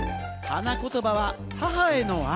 花言葉は「母への愛」。